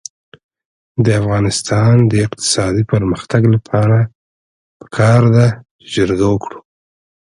د افغانستان د اقتصادي پرمختګ لپاره پکار ده چې جرګه وکړو.